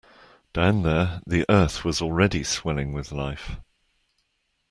Down there the earth was already swelling with life.